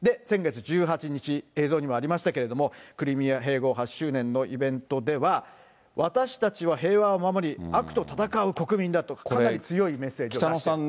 先月１８日、映像にもありましたけれども、クリミア併合８周年のイベントでは、私たちは平和を守り、悪と戦う国民だとかなり強いメッセージを出した。